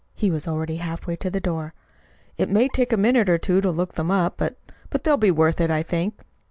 He was already halfway to the door. "It may take a minute or two to look them up; but they'll be worth it, I think."